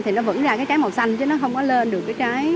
thì nó vẫn ra cái trái màu xanh chứ nó không có lên được cái trái